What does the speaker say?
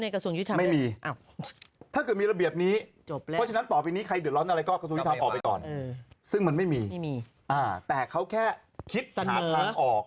กระทรวงยุติธรรมออกไปก่อนซึ่งมันไม่มีแต่เขาแค่คิดหาทางออก